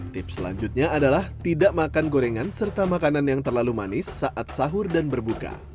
tips selanjutnya adalah tidak makan gorengan serta makanan yang terlalu manis saat sahur dan berbuka